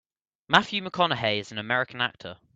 Matthew McConaughey is an American actor.